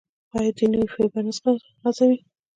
آیا دوی نوري فایبر نه غځوي؟